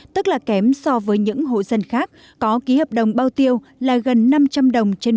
tức là kém so với những hội dân khác có ký hợp đồng bao tiêu là gần năm trăm linh đồng trên một kg